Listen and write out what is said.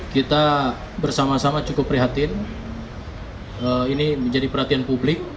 kita bersama sama cukup prihatin ini menjadi perhatian publik